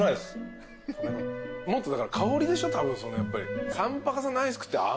もっとだから香りでしょたぶんやっぱり。